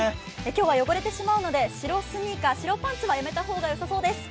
今日は汚れてしまうので、白スニーカー、白パンツはやめた方がよさそうです。